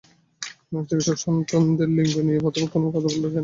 না, চিকিৎসক সন্তানের লিঙ্গ নিয়ে প্রথমেই কোনো কথা বলতে চাইলেন না।